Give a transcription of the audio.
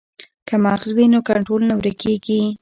که مغز وي نو کنټرول نه ورکیږي.